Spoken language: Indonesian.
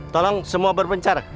tolong semua berpencar